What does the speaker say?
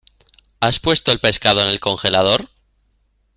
¿Has puesto el pescado en el congelador?